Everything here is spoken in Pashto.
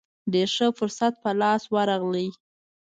ډېر ښه فرصت په لاس ورغی.